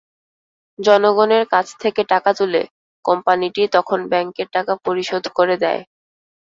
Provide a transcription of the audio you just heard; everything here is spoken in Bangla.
জনগণের কাছ থেকে টাকা তুলে কোম্পানিটি তখন ব্যাংকের টাকা পরিশোধ করে দেয়।